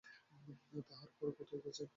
তাহার পরে কোথায় গেছেন?